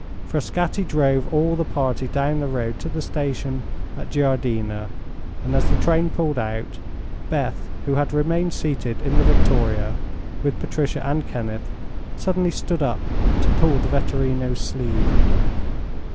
Frascatti drove all the party down the road to the station at Giardini, and as the train pulled out, Beth, who had remained seated in the victoria with Patricia and Kenneth, suddenly stood up to pull the vetturino's sleeve.